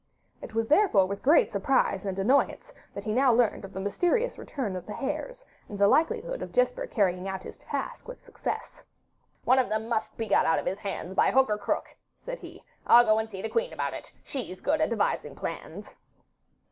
It was therefore with great surprise and annoyance that he now learned of the mysterious return of the hares and the likelihood of Jesper carrying out his task with success. 'One of them must be got out of his hands by hook or crook,' said he. 'I'll go and see the queen about it; she's good at devising plans.